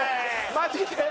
マジで。